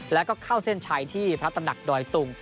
แล้วก็เข้าเส้นชัยที่พระตำหนักดอยตุง